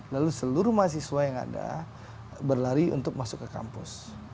lalu seluruh mahasiswa yang ada berlari untuk masuk ke kampus